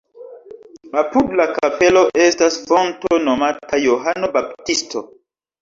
Apud la kapelo estas fonto nomata Johano Baptisto.